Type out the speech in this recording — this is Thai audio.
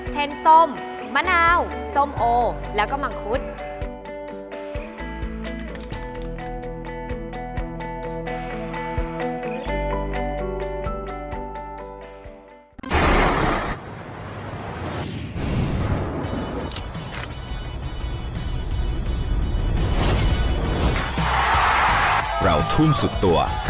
ฟาว